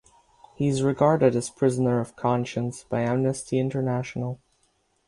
He is regarded as prisoner of conscience by Amnesty International.